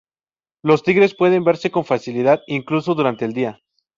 Los tigres pueden verse con facilidad incluso durante el día.